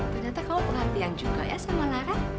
ternyata kamu pelatihan juga ya sama lara